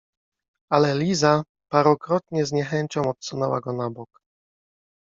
Ale Liza parokrotnie z niechęcią odsunęła go na bok.